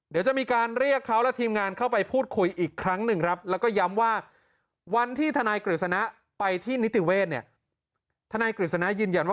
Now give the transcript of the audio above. เดี๋ยวจะมีการเรียกเขาและทีมงานเข้าไปพูดคุยอีกครั้งหนึ่งครับ